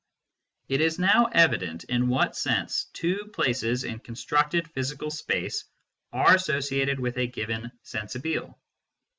It is now evident in what sense two places in con structed physical space are associated with a given " sensibile."